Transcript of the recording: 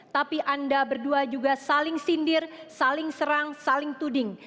tapi anda berdua juga saling sindir saling serang saling tuding